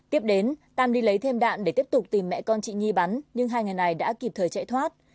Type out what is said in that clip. tiếp đến tam đi lấy thêm đạn để tiếp tục tìm mẹ con chị nhi bắn nhưng hai người này đã kịp thời chạy thoát